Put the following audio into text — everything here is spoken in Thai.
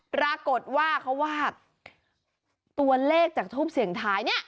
ปรากฏว่าเขาว่าตัวเลขจากทูปเสียงท้ายเนี่ย